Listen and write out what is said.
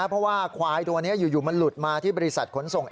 เพราะว่าควายตัวนี้อยู่มันหลุดมาที่บริษัทขนส่ง